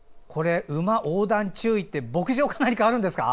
「馬横断注意」って牧場か何かあるんですか？